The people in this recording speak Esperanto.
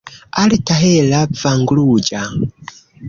Alta, hela, vangruĝa.